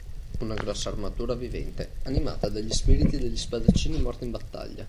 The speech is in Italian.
Una grossa armatura vivente, animata dagli spiriti degli spadaccini morti in battaglia.